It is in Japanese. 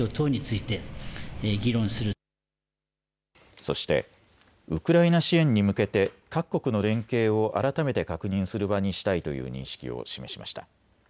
そしてウクライナ支援に向けて各国の連携を改めて確認する場にしたいという認識を示しました。